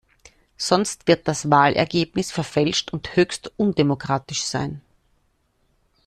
Sonst wird das Wahlergebnis verfälscht und höchst undemokratisch sein.